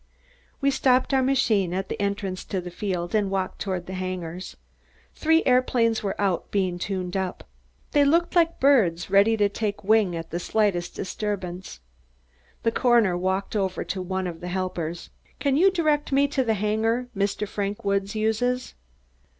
We stopped our machine at the entrance to the field and walked toward the hangars. Three aeroplanes were out, being tuned up. They looked like birds, ready to take wing at the slightest disturbance. The coroner walked over to one of the helpers. "Can you direct me to the hangar Mr. Frank Woods uses?"